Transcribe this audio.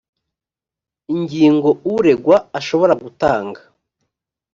ingingo uregwa ashobora gutanga